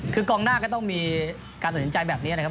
คือกองหน้าก็ต้องมีการตรงนี้นะครับ